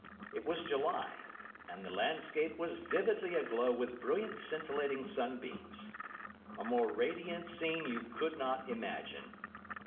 It was July, and the landscape was vividly aglow with brilliant, scintillating sunbeams. A more radiant scene you could not imagine.